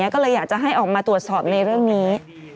ก็เลยอยากจะให้ออกมาตรวจสอบในเรื่องนี้